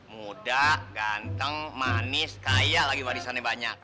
muda ganteng manis kaya lagi warisannya banyak